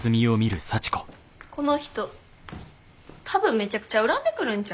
この人多分めちゃくちゃ恨んでくるんちゃう？